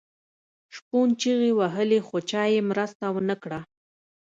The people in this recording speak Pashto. شپون چیغې وهلې خو چا یې مرسته ونه کړه.